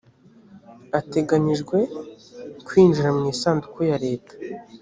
ateganyijwe kwinjira mu isanduku ya leta